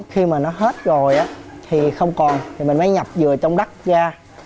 khi mà nó hết rồi thì không còn thì mình mới nhập dừa trong đất ra